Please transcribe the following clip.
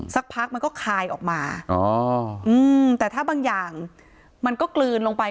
สักพักมันก็คายออกมาแต่ถ้าบางอย่างมันก็กลืนลงไป